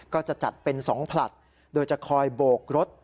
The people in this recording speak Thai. ก็จะจัดเป็น๒ผลัดโดยจะคอยโบกรถ